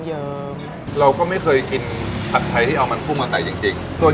เราก็ไม่เคยกินผัดไทยที่เอามันกุ้งมาใส่จริง